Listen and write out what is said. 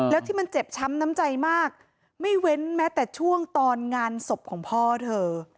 แล้วที่มันเจ็บช้ำน้ำใจมากไม่เว้นแม้แต่ช่วงตอนงานศพของพ่อเธอ